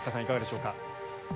いかがでしょうか？